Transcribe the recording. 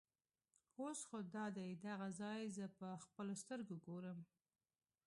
اوس خو دادی دغه ځای زه په خپلو سترګو ګورم.